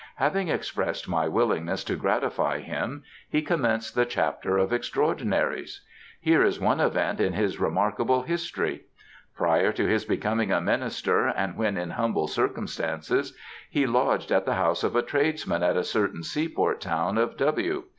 Having expressed my willingness to gratify him, he commenced the chapter of extraordinaries. Here is one event in his remarkable history. Prior to his becoming a minister and when in humble circumstances, he lodged at the house of a tradesman at a certain sea port town in W s.